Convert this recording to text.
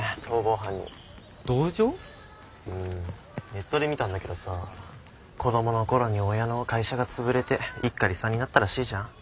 ネットで見たんだけどさ子どもの頃に親の会社が潰れて一家離散になったらしいじゃん。